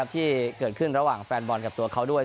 ที่เกิดขึ้นระหว่างแฟนบอลกับตัวเขาด้วย